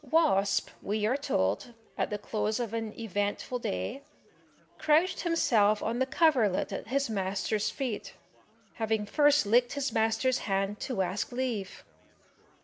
"Wasp," we are told, at the close of an eventful day, "crouched himself on the coverlet at his master's feet, having first licked his master's hand to ask leave."